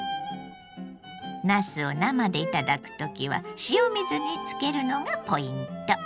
なすを生で頂く時は塩水につけるのがポイント。